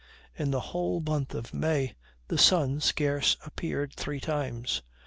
In the whole month of May the sun scarce appeared three times.